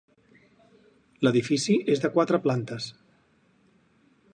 L'edifici és de quatre plantes.